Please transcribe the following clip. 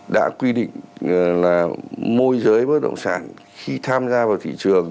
hai nghìn một mươi bốn đã quy định là môi giới bất động sản khi tham gia vào thị trường